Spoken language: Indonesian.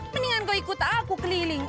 mendingan kau ikut aku keliling